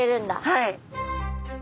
はい。